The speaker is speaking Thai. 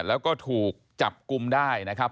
แล้วก็ถูกจับกลุ่มได้นะครับ